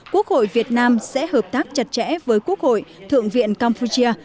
quốc hội việt nam sẽ hợp tác chặt chẽ với quốc hội thượng viện campuchia